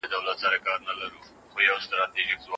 هغوی په ډېر جرئت سره د سیال مقابلې ته ووتل.